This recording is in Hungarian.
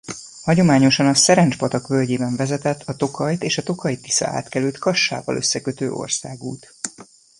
Hagyományosan a Szerencs-patak völgyében vezetett a Tokajt és a tokaji Tisza-átkelőt Kassával összekötő országút.